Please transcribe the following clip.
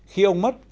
khi ông mất